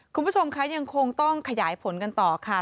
คุณผู้ชมคะยังคงต้องขยายผลกันต่อค่ะ